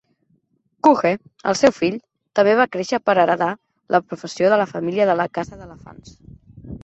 Kuje, el seu fill, també va créixer per heretar la professió de la família de la caça d'elefants.